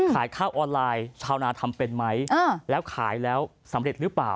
ขายข้าวออนไลน์ชาวนาทำเป็นไหมแล้วขายแล้วสำเร็จหรือเปล่า